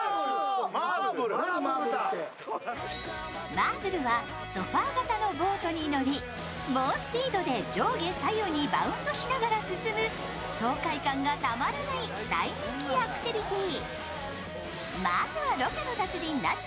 マーブルはソファー型のボートに乗り猛スピードで上下左右にバウンドしながら進む、爽快感がたまらない大人気アクティビティー。